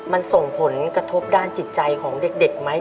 มันส่งผลกระทบด้านจิตใจของเด็กไหม